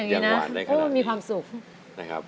ยังหวานได้ขนาดนี้มีความสุข